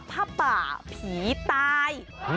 ผ้าป่าผีตาย